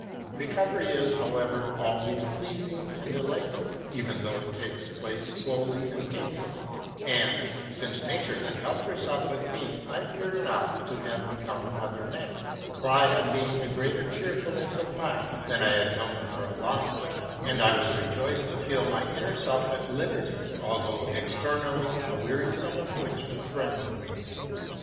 Recovery is, however, always pleasing and delightful, even though it takes place slowly and painfully: and, since nature had helped herself with me, I appeared now to have become another man; for I had gained a greater cheerfulness of mind than I had known for a long time, and I was rejoiced to feel my inner self at liberty, though externally a wearisome affliction threatened me.